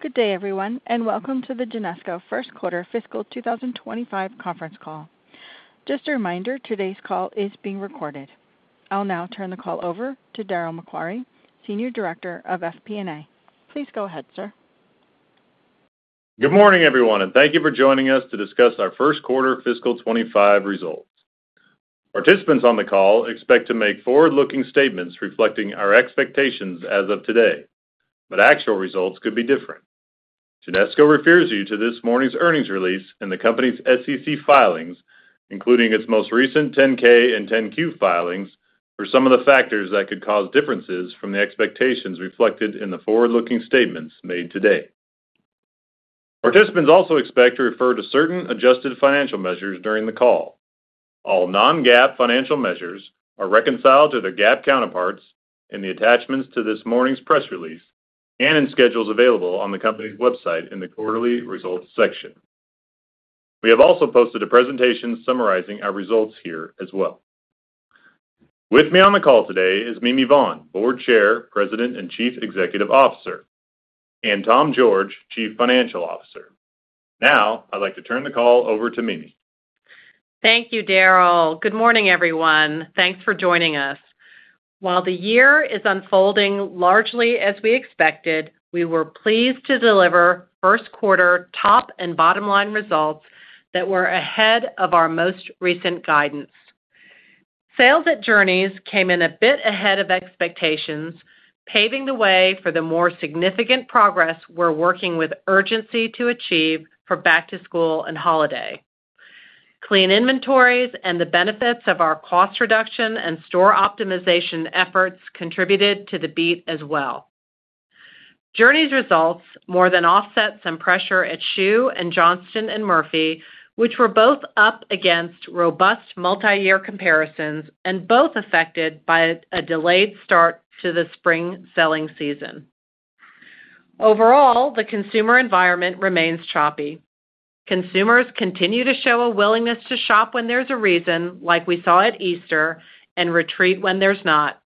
Good day, everyone, and welcome to the Genesco First Quarter fiscal 2025 conference call. Just a reminder, today's call is being recorded. I'll now turn the call over to Darryl MacQuarrie, Senior Director of FP&A. Please go ahead, sir. Good morning, everyone, and thank you for joining us to discuss our first quarter fiscal 2025 results. Participants on the call expect to make forward-looking statements reflecting our expectations as of today, but actual results could be different. Genesco refers you to this morning's earnings release and the company's SEC filings, including its most recent 10-K and 10-Q filings, for some of the factors that could cause differences from the expectations reflected in the forward-looking statements made today. Participants also expect to refer to certain adjusted financial measures during the call. All non-GAAP financial measures are reconciled to their GAAP counterparts in the attachments to this morning's press release and in schedules available on the company's website in the Quarterly Results section. We have also posted a presentation summarizing our results here as well. With me on the call today is Mimi Vaughn, Board Chair, President, and Chief Executive Officer, and Tom George, Chief Financial Officer. Now, I'd like to turn the call over to Mimi. Thank you, Darryl. Good morning, everyone. Thanks for joining us. While the year is unfolding largely as we expected, we were pleased to deliver first quarter top and bottom line results that were ahead of our most recent guidance. Sales at Journeys came in a bit ahead of expectations, paving the way for the more significant progress we're working with urgency to achieve for back to school and holiday. Clean inventories and the benefits of our cost reduction and store optimization efforts contributed to the beat as well. Journeys' results more than offset some pressure at Schuh and Johnston & Murphy, which were both up against robust multiyear comparisons and both affected by a delayed start to the spring selling season. Overall, the consumer environment remains choppy. Consumers continue to show a willingness to shop when there's a reason, like we saw at Easter, and retreat when there's not.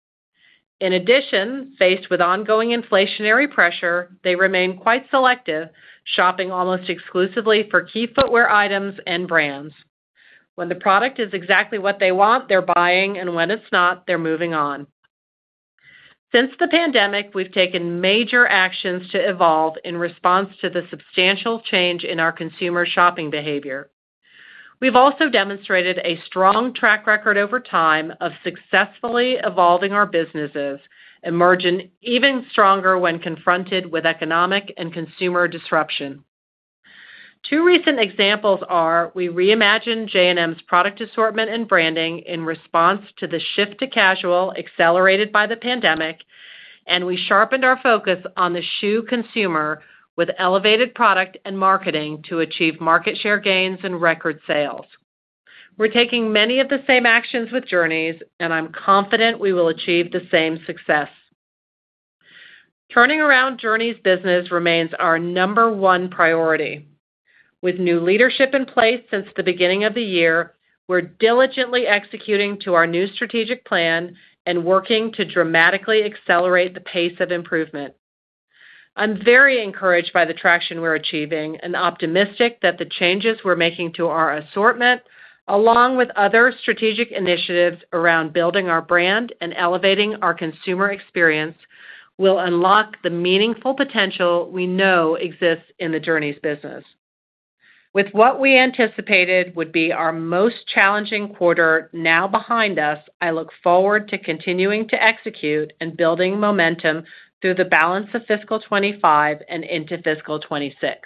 In addition, faced with ongoing inflationary pressure, they remain quite selective, shopping almost exclusively for key footwear items and brands. When the product is exactly what they want, they're buying, and when it's not, they're moving on. Since the pandemic, we've taken major actions to evolve in response to the substantial change in our consumer shopping behavior. We've also demonstrated a strong track record over time of successfully evolving our businesses, emerging even stronger when confronted with economic and consumer disruption. Two recent examples are: we reimagined J&M's product assortment and branding in response to the shift to casual, accelerated by the pandemic, and we sharpened our focus on the Schuh consumer with elevated product and marketing to achieve market share gains and record sales. We're taking many of the same actions with Journeys, and I'm confident we will achieve the same success. Turning around Journeys' business remains our number one priority. With new leadership in place since the beginning of the year, we're diligently executing to our new strategic plan and working to dramatically accelerate the pace of improvement. I'm very encouraged by the traction we're achieving and optimistic that the changes we're making to our assortment, along with other strategic initiatives around building our brand and elevating our consumer experience, will unlock the meaningful potential we know exists in the Journeys business. With what we anticipated would be our most challenging quarter now behind us, I look forward to continuing to execute and building momentum through the balance of Fiscal 2025 and into Fiscal 2026.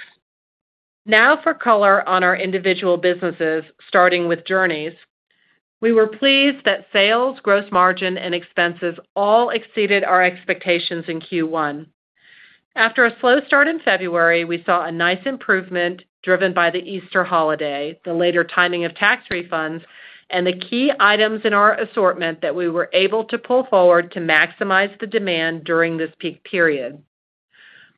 Now for color on our individual businesses, starting with Journeys. We were pleased that sales, gross margin, and expenses all exceeded our expectations in Q1. After a slow start in February, we saw a nice improvement driven by the Easter holiday, the later timing of tax refunds, and the key items in our assortment that we were able to pull forward to maximize the demand during this peak period.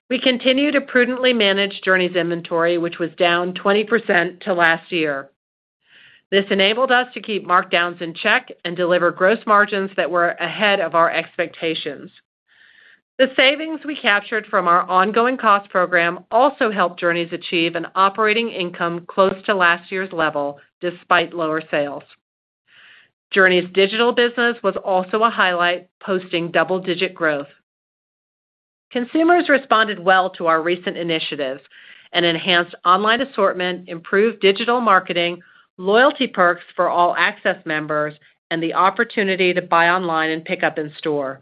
We continue to prudently manage Journeys' inventory, which was down 20% to last year. This enabled us to keep markdowns in check and deliver gross margins that were ahead of our expectations. The savings we captured from our ongoing cost program also helped Journeys achieve an operating income close to last year's level, despite lower sales. Journeys' digital business was also a highlight, posting double-digit growth. Consumers responded well to our recent initiatives, an enhanced online assortment, improved digital marketing, loyalty perks for All Access members, and the opportunity to buy online and pick up in store.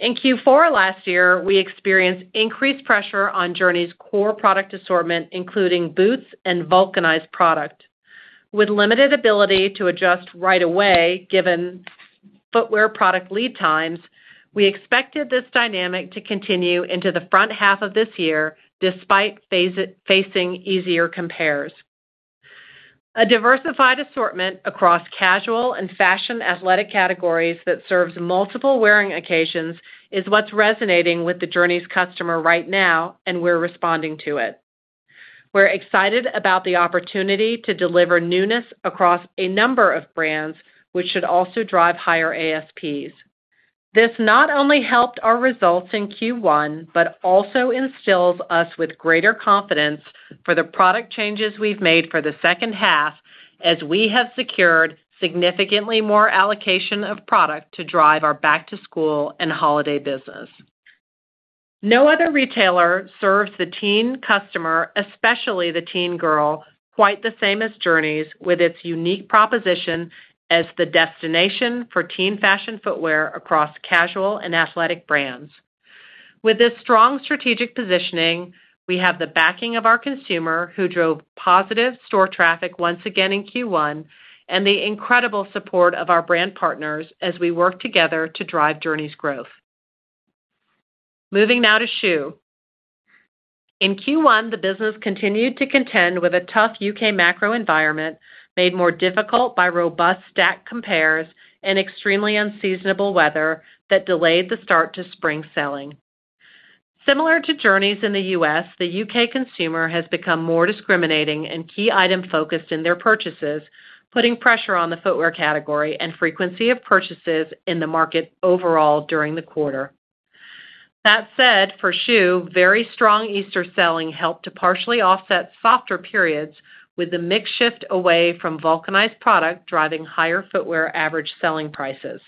In Q4 last year, we experienced increased pressure on Journeys' core product assortment, including boots and vulcanized product. With limited ability to adjust right away, given footwear product lead times, we expected this dynamic to continue into the front half of this year, despite facing easier compares. A diversified assortment across casual and fashion athletic categories that serves multiple wearing occasions is what's resonating with the Journeys' customer right now, and we're responding to it. We're excited about the opportunity to deliver newness across a number of brands, which should also drive higher ASPs. This not only helped our results in Q1, but also instills us with greater confidence for the product changes we've made for the second half, as we have secured significantly more allocation of product to drive our back-to-school and holiday business. No other retailer serves the teen customer, especially the teen girl, quite the same as Journeys, with its unique proposition as the destination for teen fashion footwear across casual and athletic brands. With this strong strategic positioning, we have the backing of our consumer, who drove positive store traffic once again in Q1, and the incredible support of our brand partners as we work together to drive Journeys' growth. Moving now to Schuh. In Q1, the business continued to contend with a tough U.K. macro environment, made more difficult by robust stack compares and extremely unseasonable weather that delayed the start to spring selling. Similar to Journeys in the U.S., the U.K. consumer has become more discriminating and key item focused in their purchases, putting pressure on the footwear category and frequency of purchases in the market overall during the quarter. That said, for Schuh, very strong Easter selling helped to partially offset softer periods, with a mix shift away from vulcanized product, driving higher footwear average selling prices.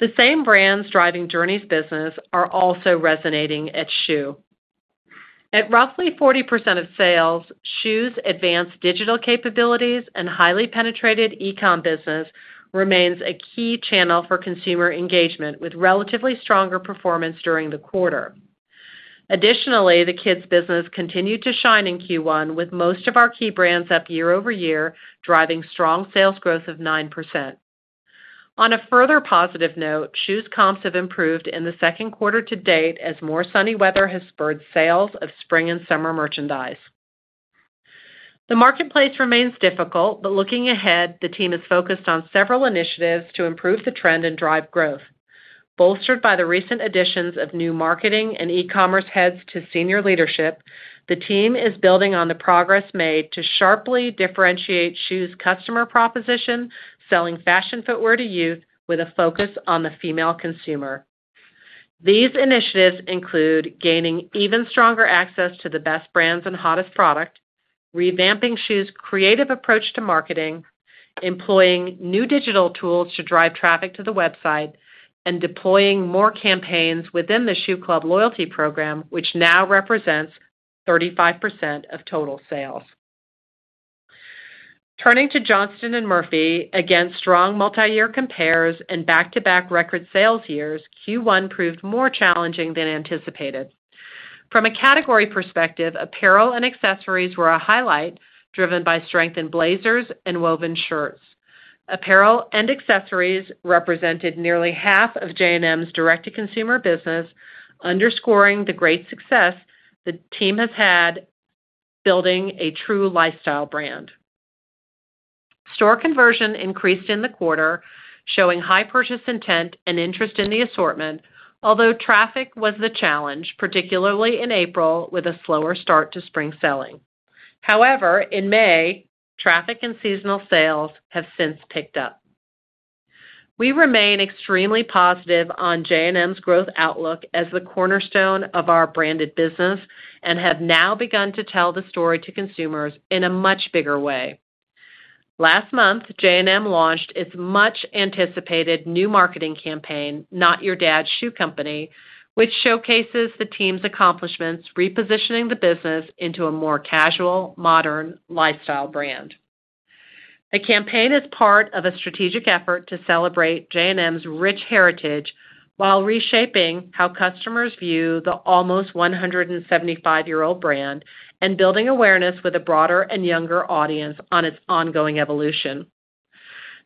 The same brands driving Journeys business are also resonating at Schuh. At roughly 40% of sales, Schuh's advanced digital capabilities and highly penetrated e-com business remains a key channel for consumer engagement, with relatively stronger performance during the quarter. Additionally, the kids business continued to shine in Q1, with most of our key brands up year-over-year, driving strong sales growth of 9%. On a further positive note, Schuh's comps have improved in the second quarter to date as more sunny weather has spurred sales of spring and summer merchandise. The marketplace remains difficult, but looking ahead, the team is focused on several initiatives to improve the trend and drive growth. Bolstered by the recent additions of new marketing and e-commerce heads to senior leadership, the team is building on the progress made to sharply differentiate Schuh's customer proposition, selling fashion footwear to youth with a focus on the female consumer. These initiatives include gaining even stronger access to the best brands and hottest product, revamping Schuh's creative approach to marketing, employing new digital tools to drive traffic to the website, and deploying more campaigns within the Schuh Club loyalty program, which now represents 35% of total sales. Turning to Johnston & Murphy, against strong multiyear compares and back-to-back record sales years, Q1 proved more challenging than anticipated. From a category perspective, apparel and accessories were a highlight, driven by strength in blazers and woven shirts. Apparel and accessories represented nearly half of J&M's direct-to-consumer business, underscoring the great success the team has had building a true lifestyle brand. Store conversion increased in the quarter, showing high purchase intent and interest in the assortment, although traffic was the challenge, particularly in April, with a slower start to spring selling. However, in May, traffic and seasonal sales have since picked up. We remain extremely positive on J&M's growth outlook as the cornerstone of our branded business and have now begun to tell the story to consumers in a much bigger way. Last month, J&M launched its much-anticipated new marketing campaign, Not Your Dad's Schuh Company, which showcases the team's accomplishments, repositioning the business into a more casual, modern, lifestyle brand. The campaign is part of a strategic effort to celebrate J&M's rich heritage while reshaping how customers view the almost 175-year-old brand and building awareness with a broader and younger audience on its ongoing evolution.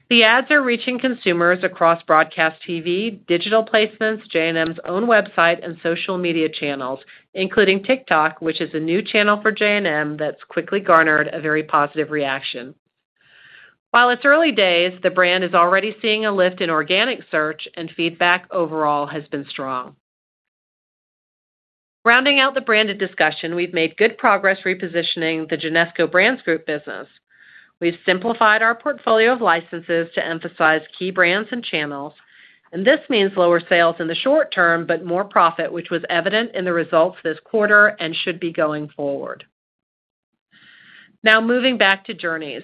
The ads are reaching consumers across broadcast TV, digital placements, J&M's own website, and social media channels, including TikTok, which is a new channel for J&M that's quickly garnered a very positive reaction. While it's early days, the brand is already seeing a lift in organic search, and feedback overall has been strong. Rounding out the branded discussion, we've made good progress repositioning the Genesco Brands Group business. We've simplified our portfolio of licenses to emphasize key brands and channels, and this means lower sales in the short term, but more profit, which was evident in the results this quarter and should be going forward. Now, moving back to Journeys.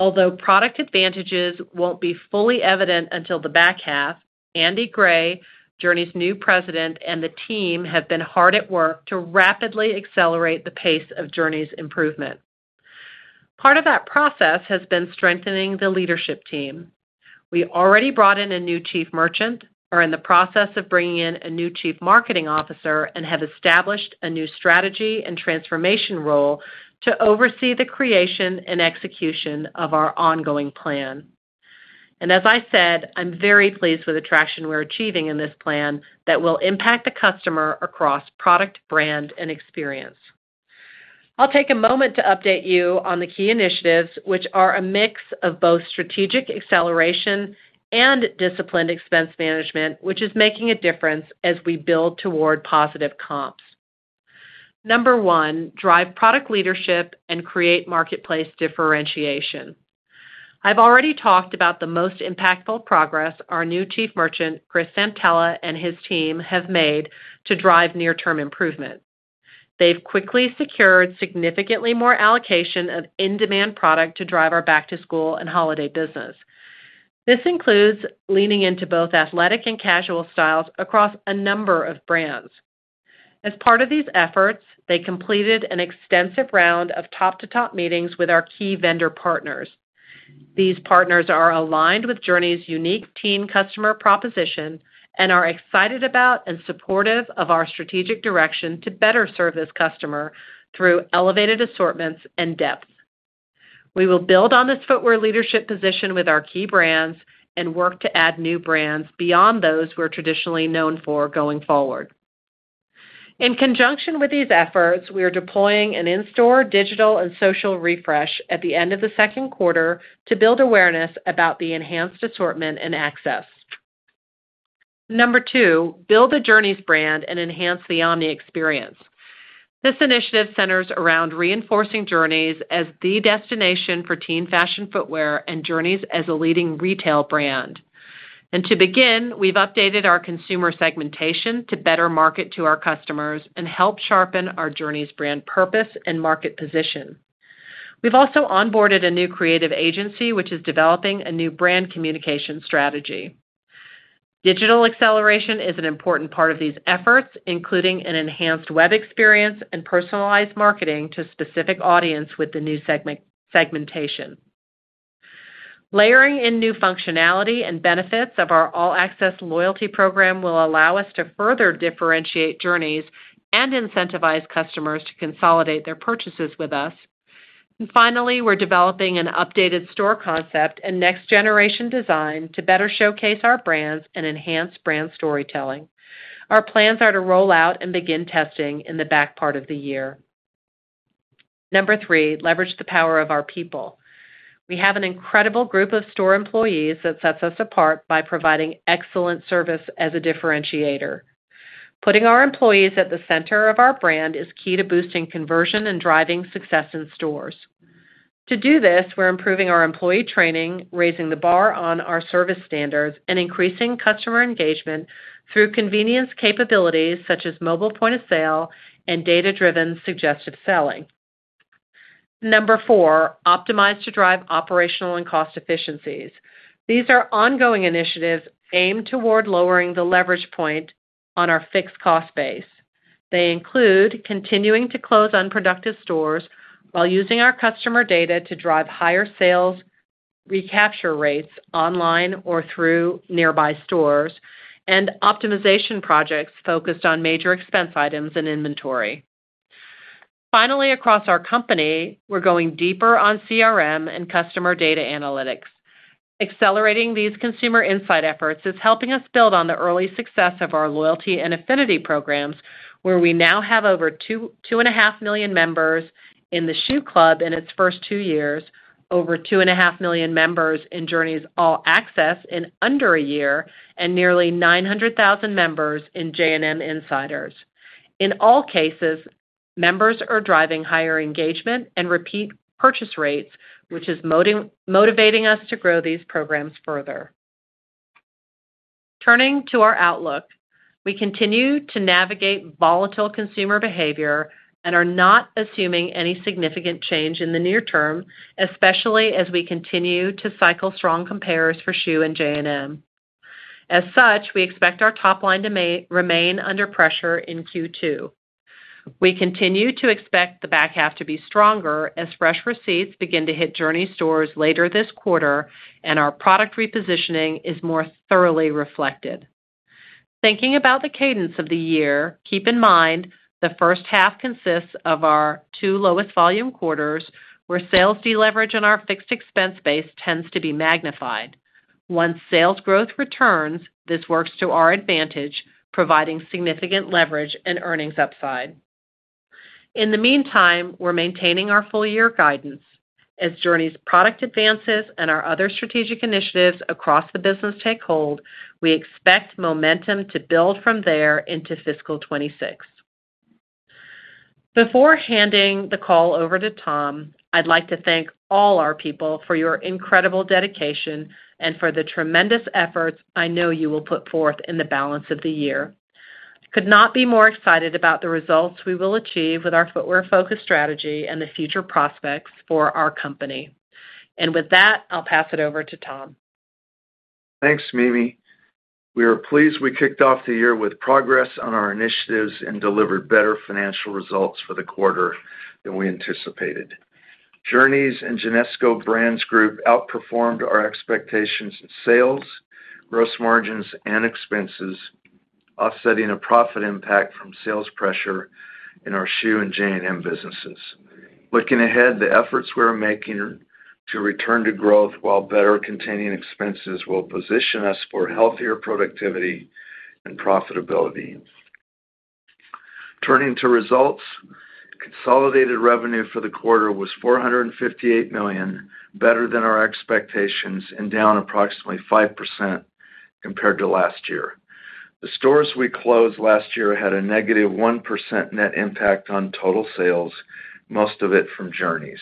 Although product advantages won't be fully evident until the back half, Andy Gray, Journeys' new president, and the team have been hard at work to rapidly accelerate the pace of Journeys' improvement. Part of that process has been strengthening the leadership team. We already brought in a new Chief Merchant, are in the process of bringing in a new chief marketing officer, and have established a new strategy and transformation role to oversee the creation and execution of our ongoing plan. And as I said, I'm very pleased with the traction we're achieving in this plan that will impact the customer across product, brand, and experience. I'll take a moment to update you on the key initiatives, which are a mix of both strategic acceleration and disciplined expense management, which is making a difference as we build toward positive comps.... Number one, drive product leadership and create marketplace differentiation. I've already talked about the most impactful progress our new Chief Merchant, Chris Santella, and his team have made to drive near-term improvement. They've quickly secured significantly more allocation of in-demand product to drive our back-to-school and holiday business. This includes leaning into both athletic and casual styles across a number of brands. As part of these efforts, they completed an extensive round of top-to-top meetings with our key vendor partners. These partners are aligned with Journeys' unique team customer proposition and are excited about and supportive of our strategic direction to better serve this customer through elevated assortments and depth. We will build on this footwear leadership position with our key brands and work to add new brands beyond those we're traditionally known for going forward. In conjunction with these efforts, we are deploying an in-store, digital, and social refresh at the end of the second quarter to build awareness about the enhanced assortment and access. Number 2, build the Journeys brand and enhance the omni experience. This initiative centers around reinforcing Journeys as the destination for teen fashion footwear and Journeys as a leading retail brand. To begin, we've updated our consumer segmentation to better market to our customers and help sharpen our Journeys brand purpose and market position. We've also onboarded a new creative agency, which is developing a new brand communication strategy. Digital acceleration is an important part of these efforts, including an enhanced web experience and personalized marketing to specific audience with the new segmentation. Layering in new functionality and benefits of our All Access loyalty program will allow us to further differentiate Journeys and incentivize customers to consolidate their purchases with us. Finally, we're developing an updated store concept and next-generation design to better showcase our brands and enhance brand storytelling. Our plans are to roll out and begin testing in the back part of the year. Number three, leverage the power of our people. We have an incredible group of store employees that sets us apart by providing excellent service as a differentiator. Putting our employees at the center of our brand is key to boosting conversion and driving success in stores. To do this, we're improving our employee training, raising the bar on our service standards, and increasing customer engagement through convenience capabilities, such as mobile point of sale and data-driven suggestive selling. Number four, optimize to drive operational and cost efficiencies. These are ongoing initiatives aimed toward lowering the leverage point on our fixed cost base. They include continuing to close unproductive stores while using our customer data to drive higher sales, recapture rates online or through nearby stores, and optimization projects focused on major expense items and inventory. Finally, across our company, we're going deeper on CRM and customer data analytics. Accelerating these consumer insight efforts is helping us build on the early success of our loyalty and affinity programs, where we now have over 2.5 million members in the Schuh Club in its first two years, over 2.5 million members in Journeys All Access in under a year, and nearly 900,000 members in J&M Insiders. In all cases, members are driving higher engagement and repeat purchase rates, which is motivating us to grow these programs further. Turning to our outlook, we continue to navigate volatile consumer behavior and are not assuming any significant change in the near term, especially as we continue to cycle strong compares for Schuh and J&M. As such, we expect our top line to remain under pressure in Q2. We continue to expect the back half to be stronger as fresh receipts begin to hit Journeys stores later this quarter and our product repositioning is more thoroughly reflected. Thinking about the cadence of the year, keep in mind, the first half consists of our two lowest volume quarters, where sales deleverage on our fixed expense base tends to be magnified. Once sales growth returns, this works to our advantage, providing significant leverage and earnings upside. In the meantime, we're maintaining our full-year guidance. As Journeys' product advances and our other strategic initiatives across the business take hold, we expect momentum to build from there into fiscal 2026. Before handing the call over to Tom, I'd like to thank all our people for your incredible dedication and for the tremendous efforts I know you will put forth in the balance of the year. I could not be more excited about the results we will achieve with our footwear-focused strategy and the future prospects for our company. With that, I'll pass it over to Tom. Thanks, Mimi. We are pleased we kicked off the year with progress on our initiatives and delivered better financial results for the quarter than we anticipated. Journeys and Genesco Brands Group outperformed our expectations in sales, gross margins, and expenses, offsetting a profit impact from sales pressure in our Schuh and J&M businesses. Looking ahead, the efforts we are making to return to growth, while better containing expenses, will position us for healthier productivity and profitability. Turning to results. Consolidated revenue for the quarter was $458 million, better than our expectations and down approximately 5% compared to last year. The stores we closed last year had a negative 1% net impact on total sales, most of it from Journeys.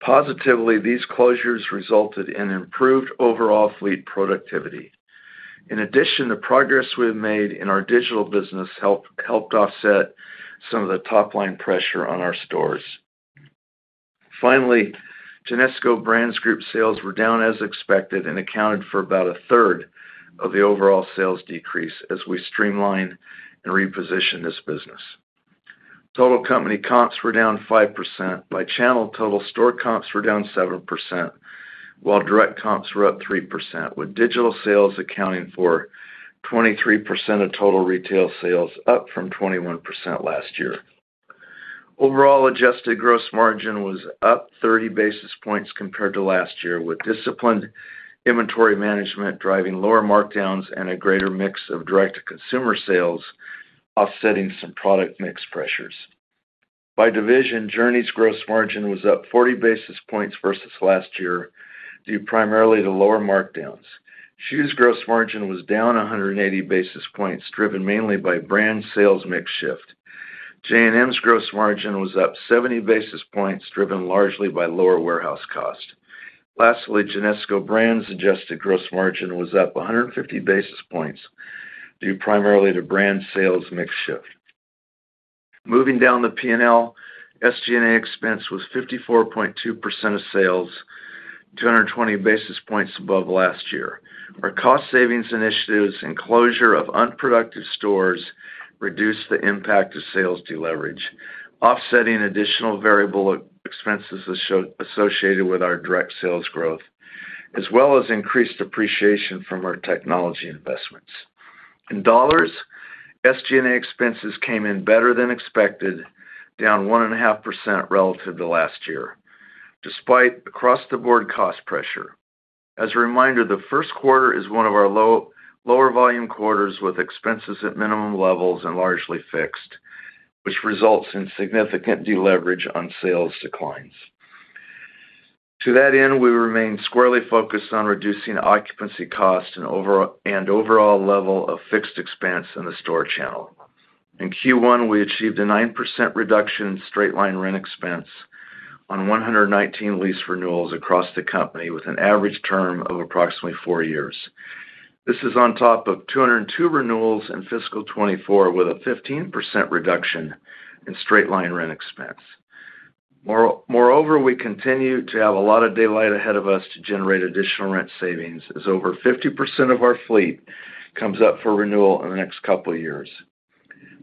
Positively, these closures resulted in improved overall fleet productivity. In addition, the progress we have made in our digital business helped offset some of the top-line pressure on our stores. Finally, Genesco Brands Group sales were down as expected and accounted for about a third of the overall sales decrease as we streamline and reposition this business. Total company comps were down 5%. By channel, total store comps were down 7%, while direct comps were up 3%, with digital sales accounting for 23% of total retail sales, up from 21% last year. Overall, adjusted gross margin was up 30 basis points compared to last year, with disciplined inventory management driving lower markdowns and a greater mix of direct-to-consumer sales, offsetting some product mix pressures. By division, Journeys' gross margin was up 40 basis points versus last year, due primarily to lower markdowns. Schuh's gross margin was down 180 basis points, driven mainly by brand sales mix shift. J&M's gross margin was up 70 basis points, driven largely by lower warehouse cost. Lastly, Genesco Brands' adjusted gross margin was up 150 basis points, due primarily to brand sales mix shift. Moving down the P&L, SG&A expense was 54.2% of sales, 220 basis points above last year. Our cost savings initiatives and closure of unproductive stores reduced the impact of sales deleverage, offsetting additional variable expenses associated with our direct sales growth, as well as increased appreciation from our technology investments. In dollars, SG&A expenses came in better than expected, down 1.5% relative to last year, despite across-the-board cost pressure. As a reminder, the first quarter is one of our lower volume quarters, with expenses at minimum levels and largely fixed, which results in significant deleverage on sales declines. To that end, we remain squarely focused on reducing occupancy costs and overall level of fixed expense in the store channel. In Q1, we achieved a 9% reduction in straight-line rent expense on 119 lease renewals across the company, with an average term of approximately four years. This is on top of 202 renewals in fiscal 2024, with a 15% reduction in straight-line rent expense. Moreover, we continue to have a lot of daylight ahead of us to generate additional rent savings, as over 50% of our fleet comes up for renewal in the next couple of years.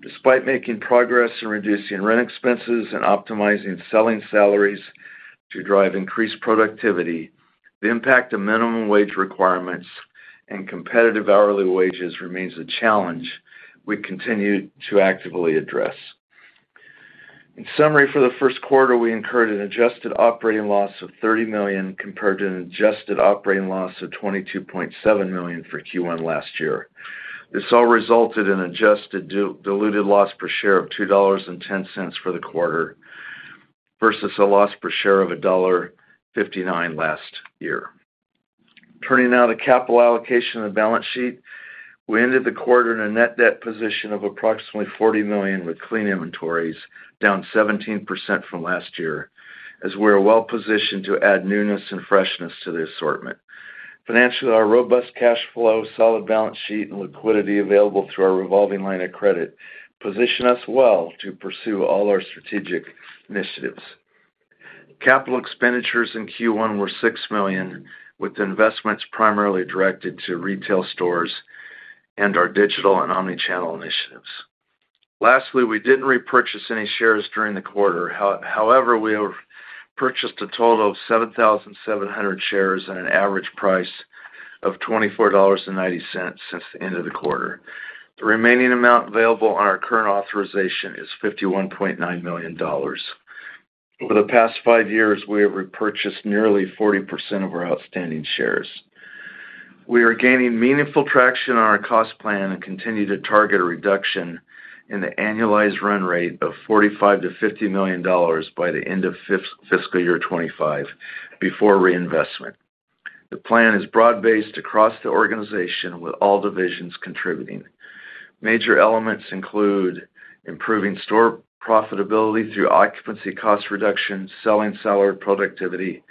Despite making progress in reducing rent expenses and optimizing selling salaries to drive increased productivity, the impact of minimum wage requirements and competitive hourly wages remains a challenge we continue to actively address. In summary, for the first quarter, we incurred an adjusted operating loss of $30 million compared to an adjusted operating loss of $22.7 million for Q1 last year. This all resulted in adjusted diluted loss per share of $2.10 for the quarter, versus a loss per share of $1.59 last year. Turning now to capital allocation and the balance sheet. We ended the quarter in a net debt position of approximately $40 million, with clean inventories down 17% from last year, as we are well positioned to add newness and freshness to the assortment. Financially, our robust cash flow, solid balance sheet, and liquidity available through our revolving line of credit position us well to pursue all our strategic initiatives. Capital expenditures in Q1 were $6 million, with investments primarily directed to retail stores and our digital and omni-channel initiatives. Lastly, we didn't repurchase any shares during the quarter. However, we have purchased a total of 7,700 shares at an average price of $24.90 since the end of the quarter. The remaining amount available on our current authorization is $51.9 million. Over the past five years, we have repurchased nearly 40% of our outstanding shares. We are gaining meaningful traction on our cost plan and continue to target a reduction in the annualized run rate of $45 million-$50 million by the end of fiscal year 2025 before reinvestment. The plan is broad-based across the organization, with all divisions contributing. Major elements include improving store profitability through occupancy cost reduction, selling salary productivity,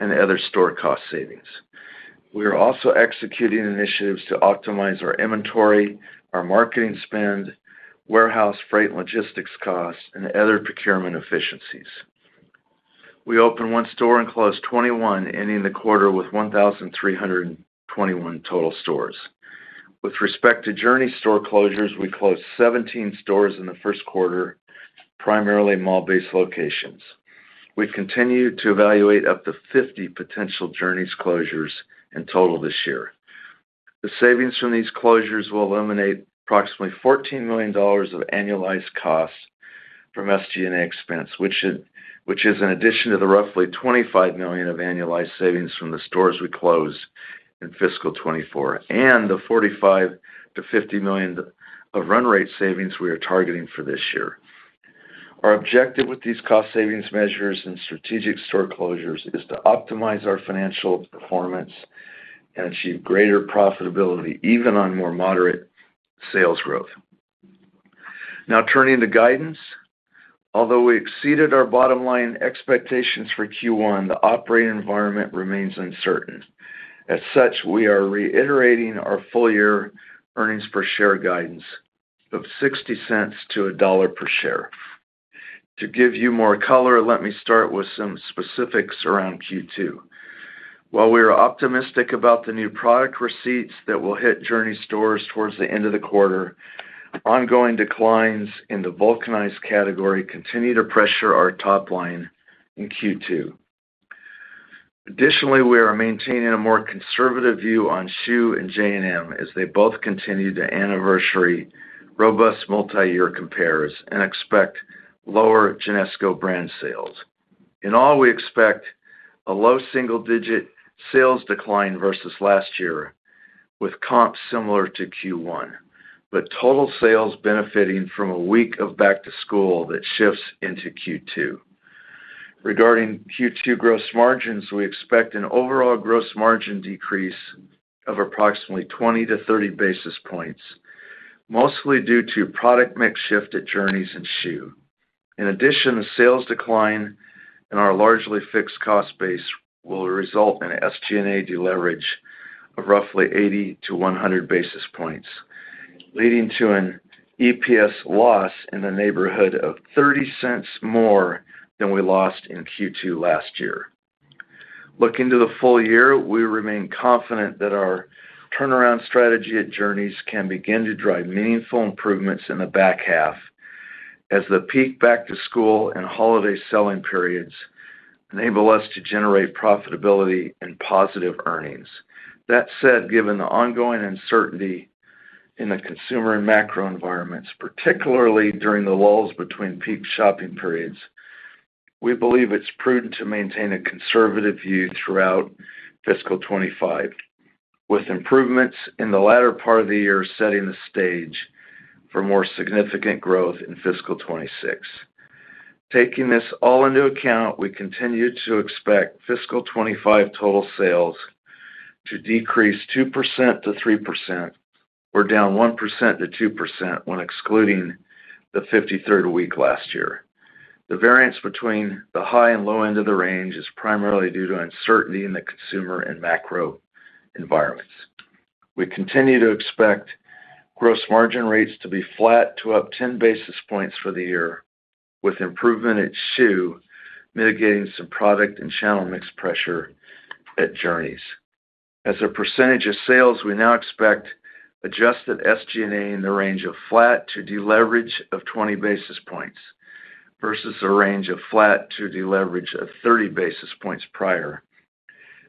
and other store cost savings. We are also executing initiatives to optimize our inventory, our marketing spend, warehouse freight logistics costs, and other procurement efficiencies. We opened 1 store and closed 21, ending the quarter with 1,321 total stores. With respect to Journeys store closures, we closed 17 stores in the first quarter, primarily mall-based locations. We've continued to evaluate up to 50 potential Journeys closures in total this year. The savings from these closures will eliminate approximately $14 million of annualized costs from SG&A expense, which should-... which is in addition to the roughly $25 million of annualized savings from the stores we closed in Fiscal 2024 and the $45-$50 million of run rate savings we are targeting for this year. Our objective with these cost savings measures and strategic store closures is to optimize our financial performance and achieve greater profitability, even on more moderate sales growth. Now turning to guidance. Although we exceeded our bottom line expectations for Q1, the operating environment remains uncertain. As such, we are reiterating our full-year earnings per share guidance of $0.60-$1.00 per share. To give you more color, let me start with some specifics around Q2. While we are optimistic about the new product receipts that will hit Journeys stores towards the end of the quarter, ongoing declines in the vulcanized category continue to pressure our top line in Q2. Additionally, we are maintaining a more conservative view on Schuh and J&M as they both continue to anniversary robust multiyear compares and expect lower Genesco Brands sales. In all, we expect a low single-digit sales decline versus last year, with comps similar to Q1, but total sales benefiting from a week of back-to-school that shifts into Q2. Regarding Q2 gross margins, we expect an overall gross margin decrease of approximately 20-30 basis points, mostly due to product mix shift at Journeys and Schuh. In addition, the sales decline and our largely fixed cost base will result in an SG&A deleverage of roughly 80-100 basis points, leading to an EPS loss in the neighborhood of $0.30 more than we lost in Q2 last year. Looking to the full year, we remain confident that our turnaround strategy at Journeys can begin to drive meaningful improvements in the back half as the peak back-to-school and holiday selling periods enable us to generate profitability and positive earnings. That said, given the ongoing uncertainty in the consumer and macro environments, particularly during the lulls between peak shopping periods, we believe it's prudent to maintain a conservative view throughout fiscal 2025, with improvements in the latter part of the year setting the stage for more significant growth in fiscal 2026. Taking this all into account, we continue to expect fiscal 2025 total sales to decrease 2%-3% or down 1%-2% when excluding the 53rd week last year. The variance between the high and low end of the range is primarily due to uncertainty in the consumer and macro environments. We continue to expect gross margin rates to be flat to up 10 basis points for the year, with improvement at Schuh mitigating some product and channel mix pressure at Journeys. As a percentage of sales, we now expect adjusted SG&A in the range of flat to deleverage of 20 basis points versus a range of flat to deleverage of 30 basis points prior,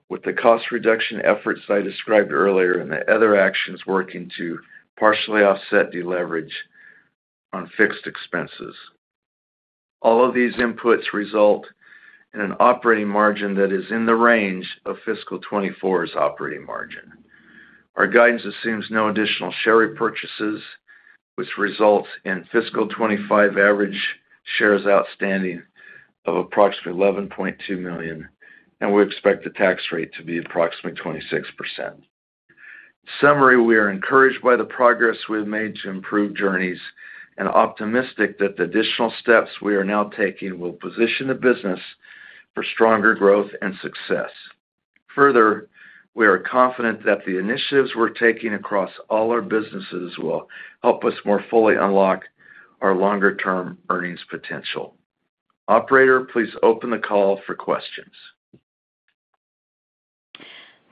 with the cost reduction efforts I described earlier and the other actions working to partially offset deleverage on fixed expenses. All of these inputs result in an operating margin that is in the range of Fiscal 2024's operating margin. Our guidance assumes no additional share repurchases, which results in Fiscal 2025 average shares outstanding of approximately 11.2 million, and we expect the tax rate to be approximately 26%. In summary, we are encouraged by the progress we've made to improve Journeys and optimistic that the additional steps we are now taking will position the business for stronger growth and success. Further, we are confident that the initiatives we're taking across all our businesses will help us more fully unlock our longer-term earnings potential. Operator, please open the call for questions.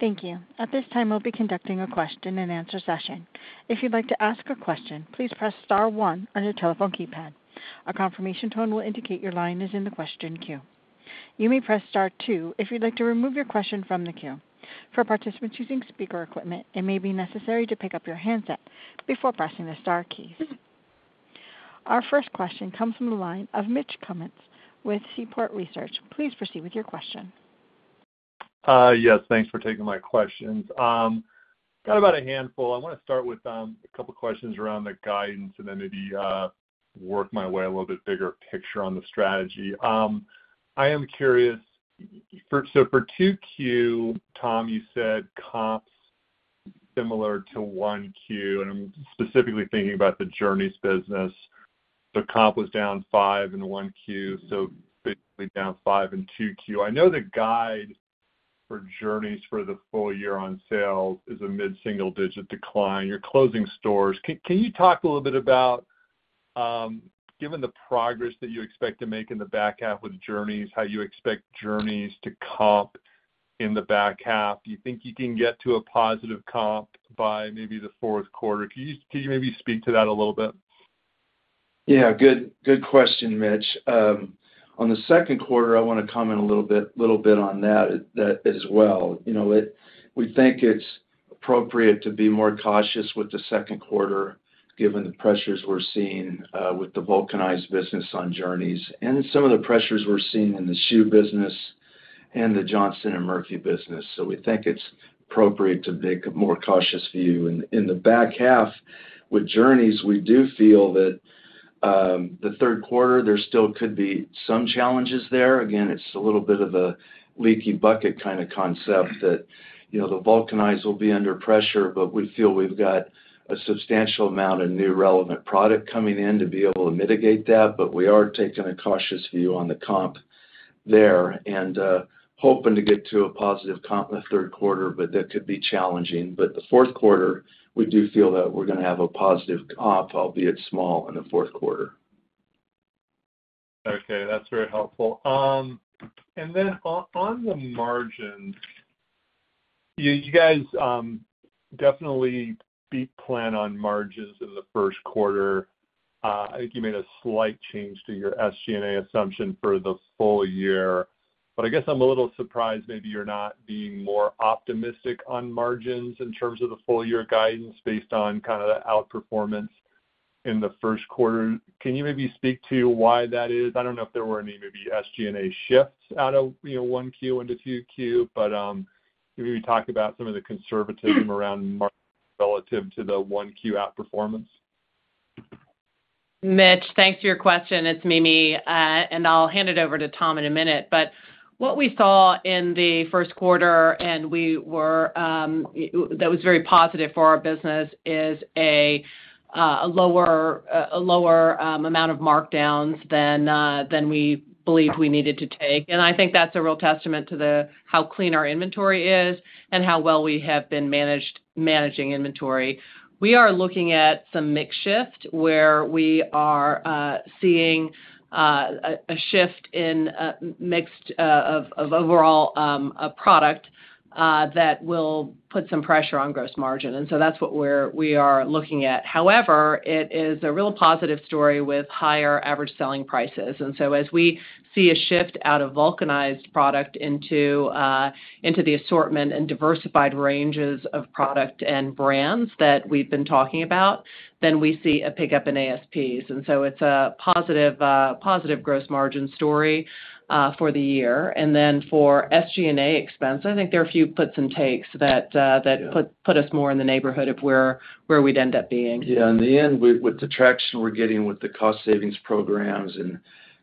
Thank you. At this time, we'll be conducting a question-and-answer session. If you'd like to ask a question, please press star one on your telephone keypad. A confirmation tone will indicate your line is in the question queue. You may press star two if you'd like to remove your question from the queue. For participants using speaker equipment, it may be necessary to pick up your handset before pressing the star keys. Our first question comes from the line of Mitch Kummetz with Seaport Research Partners. Please proceed with your question. Yes, thanks for taking my questions. Got about a handful. I want to start with a couple of questions around the guidance and then maybe work my way a little bit bigger picture on the strategy. I am curious, so for 2Q, Tom, you said comps similar to 1Q, and I'm specifically thinking about the Journeys business. The comp was down 5 in 1Q, so basically down 5 in 2Q. I know the guide for Journeys for the full year on sales is a mid-single-digit decline. You're closing stores. Can you talk a little bit about, given the progress that you expect to make in the back half with Journeys, how you expect Journeys to comp in the back half? Do you think you can get to a positive comp by maybe the fourth quarter? Can you maybe speak to that a little bit? Yeah, good, good question, Mitch. On the second quarter, I want to comment a little bit, little bit on that, that as well. You know, we think it's appropriate to be more cautious with the second quarter, given the pressures we're seeing with the vulcanized business on Journeys, and some of the pressures we're seeing in the Schuh business and the Johnston & Murphy business. So we think it's appropriate to take a more cautious view. In the back half, with Journeys, we do feel that the third quarter there still could be some challenges there. Again, it's a little bit of a leaky bucket kind of concept that, you know, the vulcanized will be under pressure, but we feel we've got a substantial amount of new relevant product coming in to be able to mitigate that. But we are taking a cautious view on the comp there, and hoping to get to a positive comp in the third quarter, but that could be challenging. But the fourth quarter, we do feel that we're gonna have a positive comp, albeit small, in the fourth quarter. Okay, that's very helpful. And then on the margins, you guys definitely beat plan on margins in the first quarter. I think you made a slight change to your SG&A assumption for the full year. But I guess I'm a little surprised maybe you're not being more optimistic on margins in terms of the full year guidance, based on kind of the outperformance in the first quarter. Can you maybe speak to why that is? I don't know if there were any maybe SG&A shifts out of, you know, one Q into two Q. But can you talk about some of the conservatism around relative to the one Q outperformance? Mitch, thanks for your question. It's Mimi. And I'll hand it over to Tom in a minute. But what we saw in the first quarter, and we were, that was very positive for our business, is a lower amount of markdowns than we believed we needed to take. And I think that's a real testament to how clean our inventory is and how well we have been managing inventory. We are looking at some mix shift, where we are seeing a shift in mix of overall product that will put some pressure on gross margin, and so that's what we're looking at. However, it is a real positive story with higher average selling prices. And so as we see a shift out of vulcanized product into the assortment and diversified ranges of product and brands that we've been talking about, then we see a pickup in ASPs. And so it's a positive gross margin story for the year. And then for SG&A expense, I think there are a few puts and takes that Yeah... put us more in the neighborhood of where we'd end up being. Yeah, in the end, with the traction we're getting with the cost savings programs and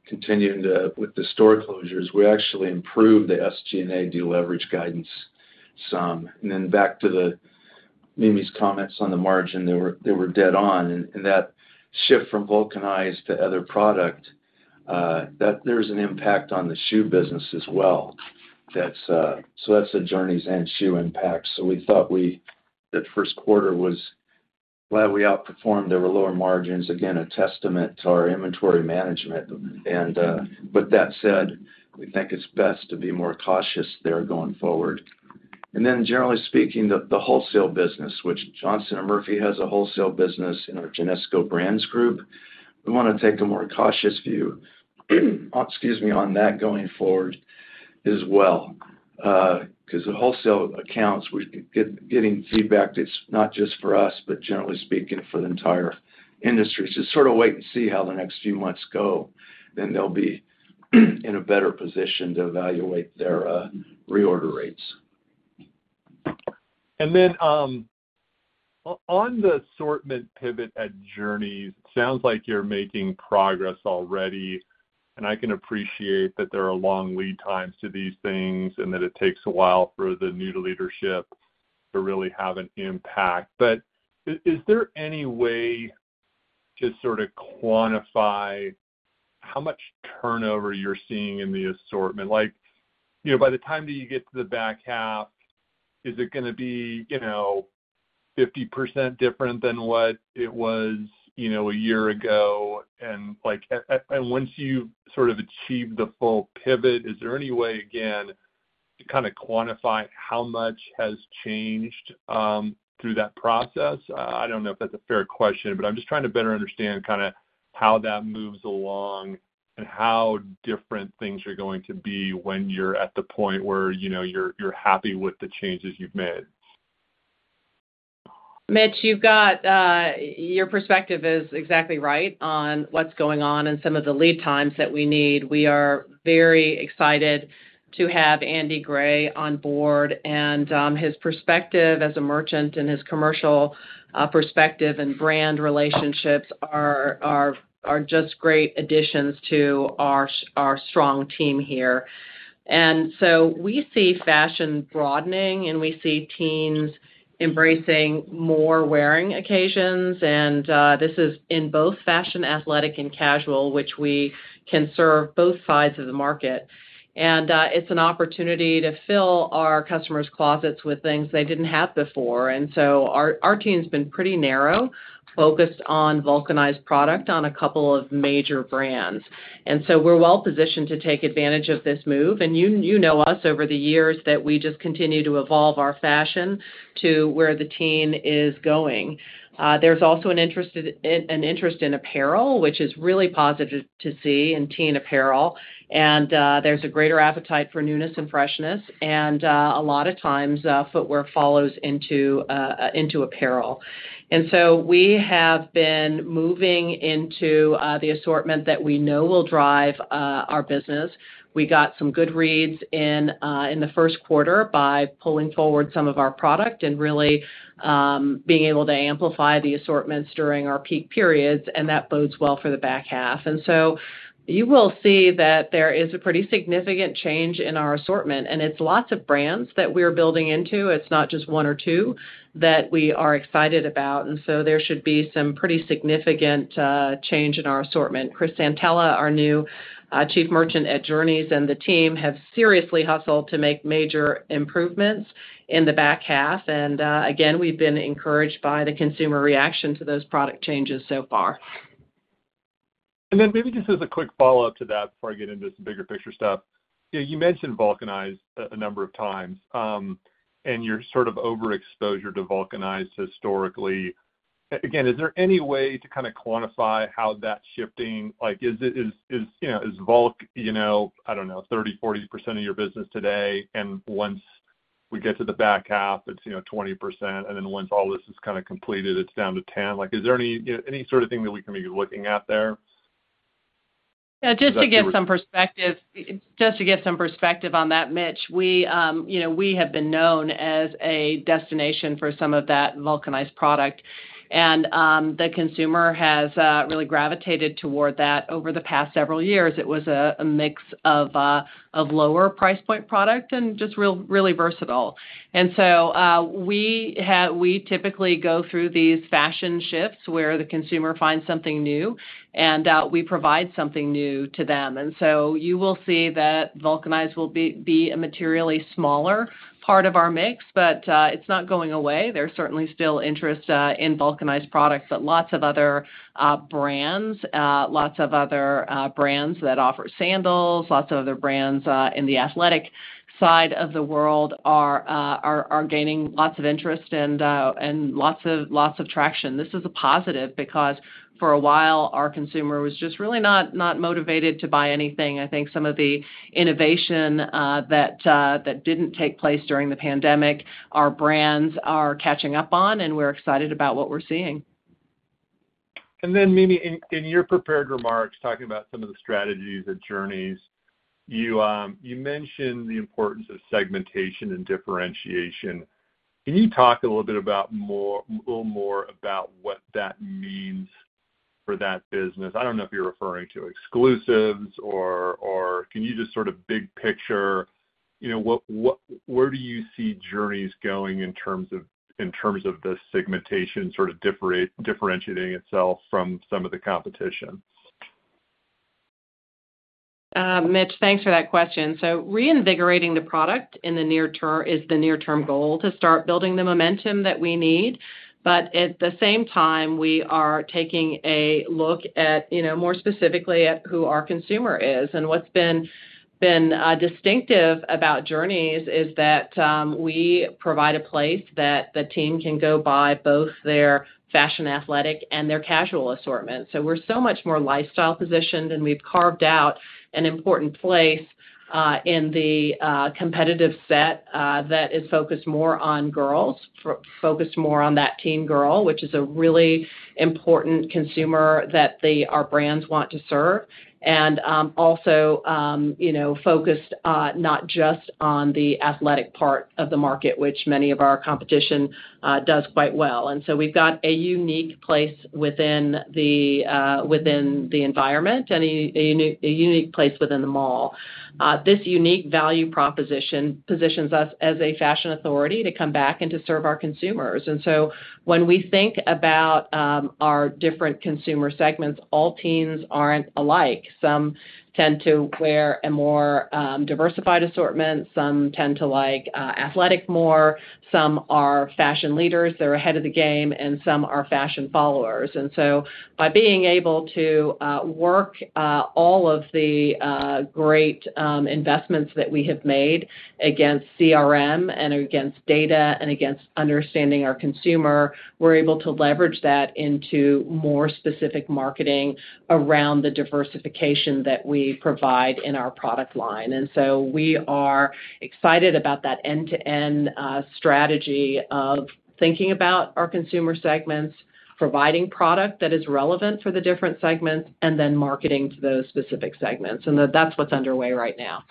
continuing to, with the store closures, we actually improved the SG&A deleverage guidance some. And then back to the—Mimi's comments on the margin, they were, they were dead on. And, and that shift from vulcanized to other product, that there's an impact on the shoe business as well. That's, so that's the Journeys and shoe impact. So we thought we, that first quarter was—glad we outperformed. There were lower margins, again, a testament to our inventory management. And, but that said, we think it's best to be more cautious there going forward. And then generally speaking, the, the wholesale business, which Johnston & Murphy has a wholesale business in our Genesco Brands Group, we wanna take a more cautious view, excuse me, on that going forward as well. Because the wholesale accounts, we're getting feedback that's not just for us, but generally speaking, for the entire industry. So sort of wait and see how the next few months go, then they'll be in a better position to evaluate their reorder rates. And then, on the assortment pivot at Journeys, it sounds like you're making progress already, and I can appreciate that there are long lead times to these things, and that it takes a while for the new leadership to really have an impact. But is there any way to sort of quantify how much turnover you're seeing in the assortment? Like, you know, by the time that you get to the back half, is it gonna be, you know, 50% different than what it was, you know, a year ago? And like, and once you've sort of achieved the full pivot, is there any way, again, to kind of quantify how much has changed, through that process? I don't know if that's a fair question, but I'm just trying to better understand kind of how that moves along and how different things are going to be when you're at the point where, you know, you're happy with the changes you've made. Mitch, you've got, your perspective is exactly right on what's going on and some of the lead times that we need. We are very excited to have Andy Gray on board, and his perspective as a merchant and his commercial perspective and brand relationships are just great additions to our strong team here. And so we see fashion broadening, and we see teens embracing more wearing occasions. And this is in both fashion, athletic, and casual, which we can serve both sides of the market. And it's an opportunity to fill our customers' closets with things they didn't have before. And so our team's been pretty narrow, focused on vulcanized product on a couple of major brands. And so we're well positioned to take advantage of this move. And you know us over the years, that we just continue to evolve our fashion to where the teen is going. There's also an interest in apparel, which is really positive to see in teen apparel. And there's a greater appetite for newness and freshness, and a lot of times, footwear follows into apparel. And so we have been moving into the assortment that we know will drive our business. We got some good reads in the first quarter by pulling forward some of our product and really being able to amplify the assortments during our peak periods, and that bodes well for the back half. And so you will see that there is a pretty significant change in our assortment, and it's lots of brands that we're building into. It's not just one or two that we are excited about, and so there should be some pretty significant change in our assortment. Chris Santella, our new Chief Merchant at Journeys, and the team have seriously hustled to make major improvements in the back half. And again, we've been encouraged by the consumer reaction to those product changes so far. And then maybe just as a quick follow-up to that before I get into some bigger picture stuff. Yeah, you mentioned vulcanized a number of times, and you're sort of overexposure to vulcanized historically. Again, is there any way to kind of quantify how that's shifting? Like, is it, you know, is vulcanized, you know, I don't know, 30, 40% of your business today, and once we get to the back half, it's, you know, 20%, and then once all this is kind of completed, it's down to 10%? Like, is there any, you know, any sort of thing that we can be looking at there? Yeah, just to give some perspective, just to give some perspective on that, Mitch, we, you know, we have been known as a destination for some of that vulcanized product, and the consumer has really gravitated toward that over the past several years. It was a mix of lower price point product and just really versatile. And so we typically go through these fashion shifts, where the consumer finds something new, and we provide something new to them. And so you will see that vulcanized will be a materially smaller part of our mix, but it's not going away. There's certainly still interest in vulcanized products, but lots of other brands that offer sandals, lots of other brands in the athletic side of the world are gaining lots of interest and lots of traction. This is a positive because for a while, our consumer was just really not motivated to buy anything. I think some of the innovation that didn't take place during the pandemic, our brands are catching up on, and we're excited about what we're seeing. And then, Mimi, in your prepared remarks, talking about some of the strategies at Journeys, you, you mentioned the importance of segmentation and differentiation. Can you talk a little more about what that means for that business? I don't know if you're referring to exclusives or. Can you just sort of big picture, you know, where do you see Journeys going in terms of the segmentation sort of differentiating itself from some of the competition? Mitch, thanks for that question. So reinvigorating the product in the near term is the near-term goal to start building the momentum that we need. But at the same time, we are taking a look at, you know, more specifically, at who our consumer is. And what's been distinctive about Journeys is that, we provide a place that the team can go buy both their fashion athletic and their casual assortment. So we're so much more lifestyle positioned, and we've carved out an important place, in the, competitive set, that is focused more on girls, focused more on that teen girl, which is a really important consumer that the, our brands want to serve. And, also, you know, focused, not just on the athletic part of the market, which many of our competition, does quite well. And so we've got a unique place within the within the environment and a unique place within the mall. This unique value proposition positions us as a fashion authority to come back and to serve our consumers. And so when we think about our different consumer segments, all teens aren't alike. Some tend to wear a more diversified assortment, some tend to like athletic more, some are fashion leaders, they're ahead of the game, and some are fashion followers. And so by being able to work all of the great investments that we have made against CRM and against data and against understanding our consumer, we're able to leverage that into more specific marketing around the diversification that we provide in our product line. And so we are excited about that end-to-end strategy of thinking about our consumer segments, providing product that is relevant for the different segments, and then marketing to those specific segments. And that, that's what's underway right now....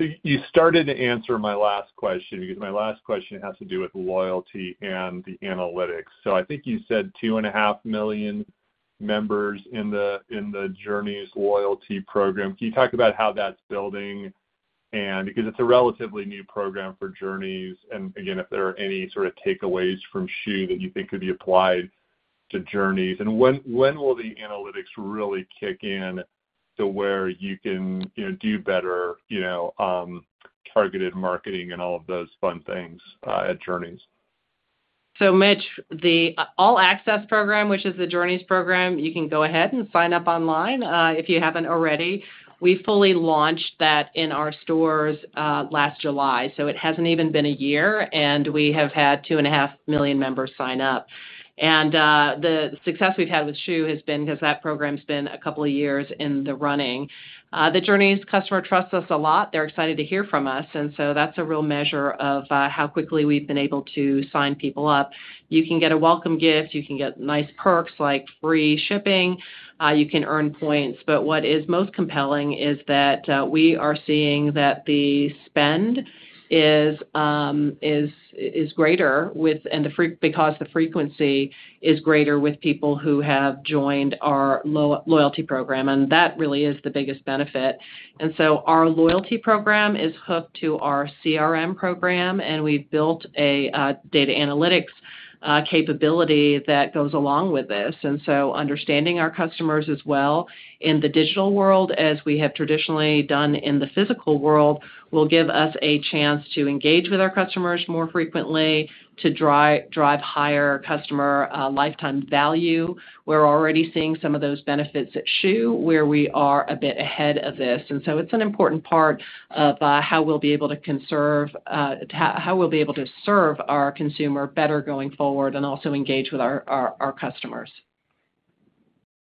So you started to answer my last question, because my last question has to do with loyalty and the analytics. So I think you said 2.5 million members in the Journeys loyalty program. Can you talk about how that's building? And because it's a relatively new program for Journeys, and again, if there are any sort of takeaways from Schuh that you think could be applied to Journeys. And when will the analytics really kick in to where you can, you know, do better, you know, targeted marketing and all of those fun things at Journeys? So Mitch, the All Access program, which is the Journeys program, you can go ahead and sign up online, if you haven't already. We fully launched that in our stores, last July, so it hasn't even been a year, and we have had 2.5 million members sign up. And, the success we've had with Schuh has been, because that program's been a couple of years in the running. The Journeys customer trusts us a lot. They're excited to hear from us, and so that's a real measure of, how quickly we've been able to sign people up. You can get a welcome gift, you can get nice perks like free shipping, you can earn points. But what is most compelling is that we are seeing that the spend is greater with, and the frequency, because the frequency is greater with people who have joined our loyalty program, and that really is the biggest benefit. And so our loyalty program is hooked to our CRM program, and we've built a data analytics capability that goes along with this. And so understanding our customers as well in the digital world, as we have traditionally done in the physical world, will give us a chance to engage with our customers more frequently, to drive higher customer lifetime value. We're already seeing some of those benefits at Schuh, where we are a bit ahead of this. It's an important part of how we'll be able to conserve how we'll be able to serve our consumer better going forward and also engage with our customers.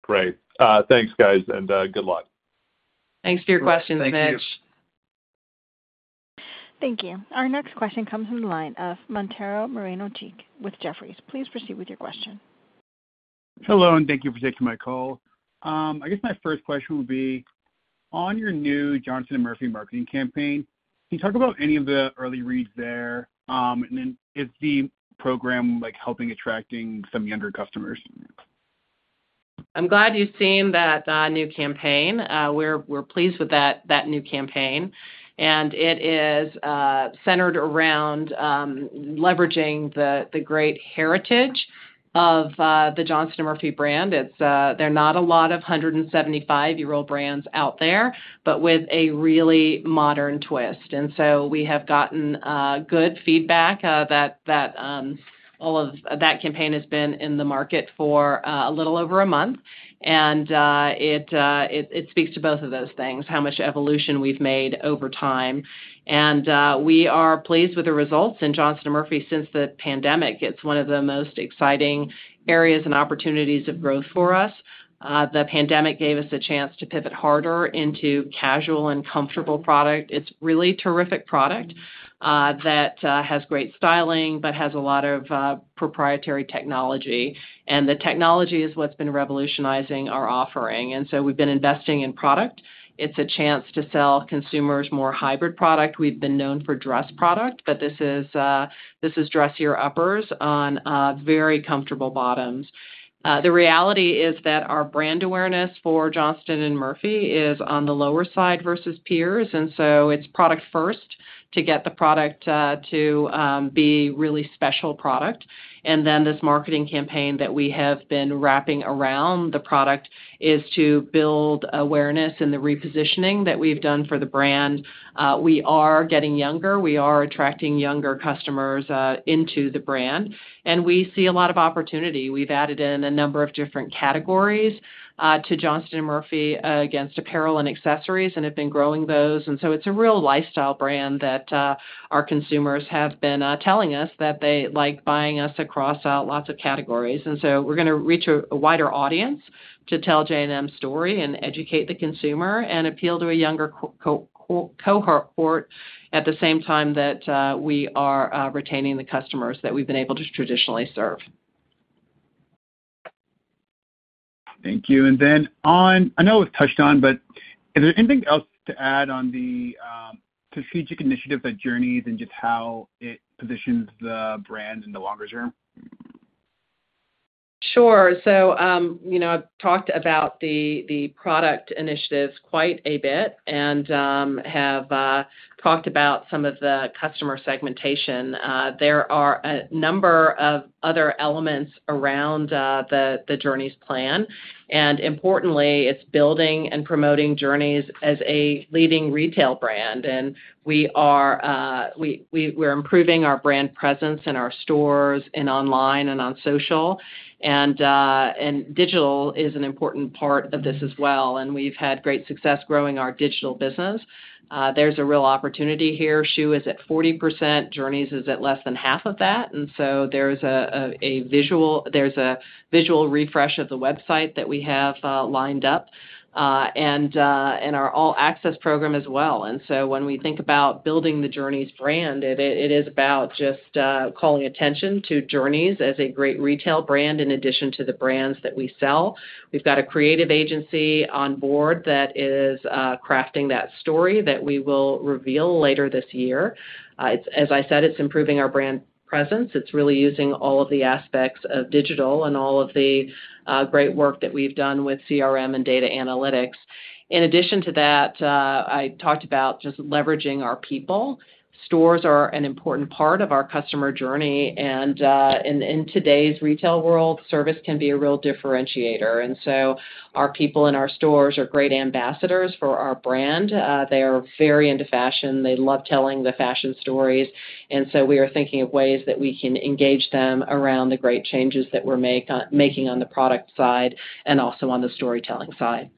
Great. Thanks, guys, and good luck. Thanks for your questions, Mitch. Thank you. Our next question comes from the line of Mantero Moreno-Cheek with Jefferies. Please proceed with your question. Hello, and thank you for taking my call. I guess my first question would be: on your new Johnston & Murphy marketing campaign, can you talk about any of the early reads there? And then is the program, like, helping attracting some younger customers? I'm glad you've seen that new campaign. We're pleased with that new campaign, and it is centered around leveraging the great heritage of the Johnston & Murphy brand. It's there are not a lot of 175-year-old brands out there, but with a really modern twist. And so we have gotten good feedback that all of... That campaign has been in the market for a little over a month, and it speaks to both of those things, how much evolution we've made over time. And we are pleased with the results in Johnston & Murphy since the pandemic. It's one of the most exciting areas and opportunities of growth for us. The pandemic gave us a chance to pivot harder into casual and comfortable product. It's really terrific product that has great styling, but has a lot of proprietary technology, and the technology is what's been revolutionizing our offering. And so we've been investing in product. It's a chance to sell consumers more hybrid product. We've been known for dress product, but this is dressier uppers on very comfortable bottoms. The reality is that our brand awareness for Johnston & Murphy is on the lower side versus peers, and so it's product first to get the product to be really special product. And then this marketing campaign that we have been wrapping around the product is to build awareness and the repositioning that we've done for the brand. We are getting younger, we are attracting younger customers into the brand, and we see a lot of opportunity. We've added in a number of different categories to Johnston & Murphy against apparel and accessories, and have been growing those. And so it's a real lifestyle brand that our consumers have been telling us that they like buying us across lots of categories. And so we're gonna reach a wider audience to tell J&M's story and educate the consumer and appeal to a younger cohort, at the same time that we are retaining the customers that we've been able to traditionally serve. Thank you. And then on... I know it was touched on, but is there anything else to add on the strategic initiative at Journeys and just how it positions the brand in the longer term? Sure. So, you know, I've talked about the product initiatives quite a bit and have talked about some of the customer segmentation. There are a number of other elements around the Journeys plan, and importantly, it's building and promoting Journeys as a leading retail brand. And we are we're improving our brand presence in our stores and online and on social, and digital is an important part of this as well, and we've had great success growing our digital business. There's a real opportunity here. Schuh is at 40%, Journeys is at less than half of that, and so there's a visual refresh of the website that we have lined up, and our All Access program as well. When we think about building the Journeys brand, it is about just calling attention to Journeys as a great retail brand in addition to the brands that we sell. We've got a creative agency on board that is crafting that story that we will reveal later this year. It's, as I said, it's improving our brand presence. It's really using all of the aspects of digital and all of the great work that we've done with CRM and data analytics. In addition to that, I talked about just leveraging our people. Stores are an important part of our customer journey, and in today's retail world, service can be a real differentiator. Our people in our stores are great ambassadors for our brand. They are very into fashion. They love telling the fashion stories, and so we are thinking of ways that we can engage them around the great changes that we're making on the product side and also on the storytelling side.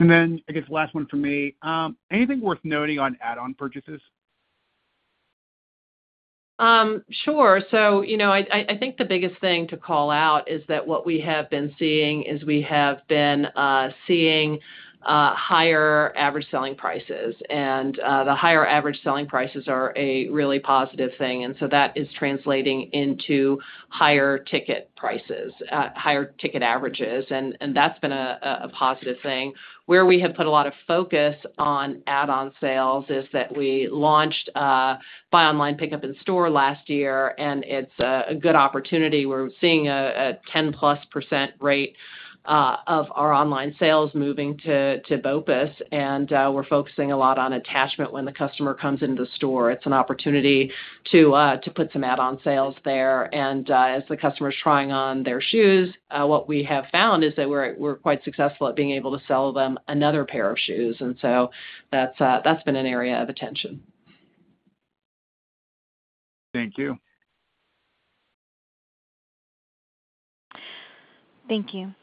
...And then I guess the last one for me, anything worth noting on add-on purchases? Sure. So, you know, I think the biggest thing to call out is that what we have been seeing is higher average selling prices. And, the higher average selling prices are a really positive thing, and so that is translating into higher ticket prices, higher ticket averages, and that's been a positive thing. Where we have put a lot of focus on add-on sales is that we launched buy online, pickup in store last year, and it's a good opportunity. We're seeing a 10%+ rate of our online sales moving to BOPUS, and we're focusing a lot on attachment when the customer comes into the store. It's an opportunity to put some add-on sales there. As the customer's trying on their shoes, what we have found is that we're quite successful at being able to sell them another pair of shoes, and so that's been an area of attention. Thank you. Thank you.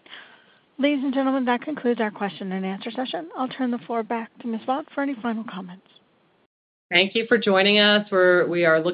Ladies and gentlemen, that concludes our question and answer session. I'll turn the floor back to Ms. Vaughn for any final comments. Thank you for joining us. We are looking-